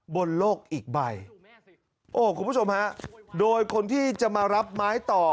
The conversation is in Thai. บนโลกอีกใบโอ้คุณผู้ชมฮะโดยคนที่จะมารับไม้ต่อ